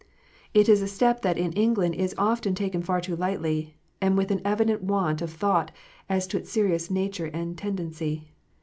It is a step that in England is often taken far too lightly, and with an evident want of thought as to its serious nature and tendency.